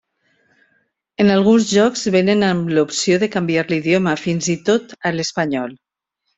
En alguns jocs, vénen amb l'opció de canviar l'idioma, fins i tot a l'espanyol.